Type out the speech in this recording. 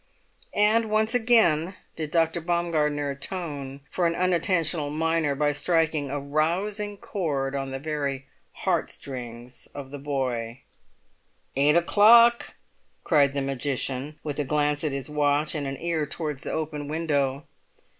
And once again did Dr. Baumgartner atone for an unintentional minor by striking a rousing chord on the very heart strings of the boy. "Eight o'clock!" cried the magician, with a glance at his watch and an ear towards the open window.